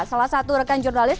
salah satu rekan jurnalis